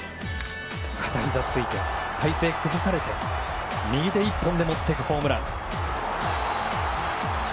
片ひざをついて体勢を崩されて右手１本で持っていくホームラン。